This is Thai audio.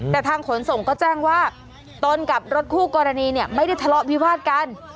แต่ทางขนส่งก็แจ้งว่าตนกับรถคู่กรณีเนี่ยไม่ได้ทะเลาะวิวาดกัน